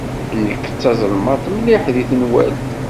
Nekk d tazelmaḍt mliḥ deg tenwalt.